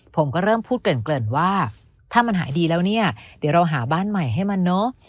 ผมก็เริ่มพูดเกริ่นว่าถ้ามันหายดีแล้วเนี่ยเดี๋ยวเราหาบ้านใหม่ให้มันเนอะ